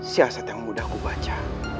siasat yang mudah ku baca